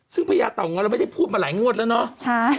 ซึ่งพญาเต่างอยเราไม่ได้พูดมาหลายงวดแล้วเนาะ